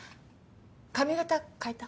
髪形変えた？